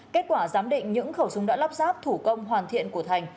kết quả giám định những khẩu súng đã lắp ráp thủ công hoàn thiện của thành